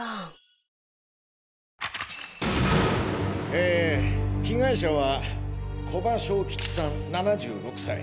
え被害者は古葉庄吉さん７６歳。